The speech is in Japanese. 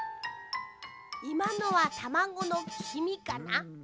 いまのはたまごのきみかな？